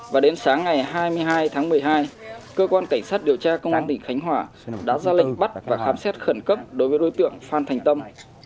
và đến sáng ngày hai mươi hai tháng một mươi hai cơ quan cảnh sát điều tra công an tỉnh khánh hòa đã ra lệnh bắt và khám xét khẩn cấp đối với đối tượng phan thành tâm